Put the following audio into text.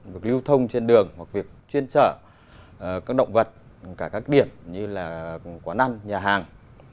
việc lưu thông trên đường hoặc việc chuyên trở các động vật cả các điểm như là quán ăn nhà hàng